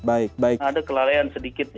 ada kelalaian sedikit